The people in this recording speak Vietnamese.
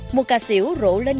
một cà xỉu rộ lên nhà